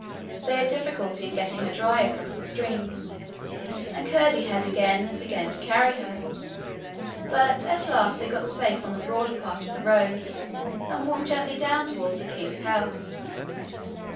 They had difficulty in getting her dry across the streams, and Curdie had again and again to carry her, but at last they got safe on the broader part of the road, and walked gently down towards the king's house.